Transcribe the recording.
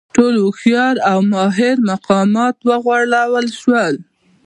ټول هوښیار او ماهر مقامات وغولول شول.